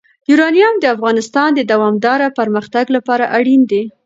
یورانیم د افغانستان د دوامداره پرمختګ لپاره اړین دي.